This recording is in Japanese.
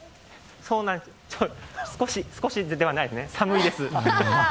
少し少しではないですね寒いです。